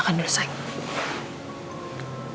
makan dulu sayang